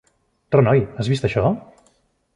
Renoi! Has vist això?